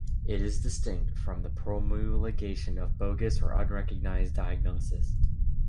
It is distinct from the promulgation of bogus or unrecognised diagnoses.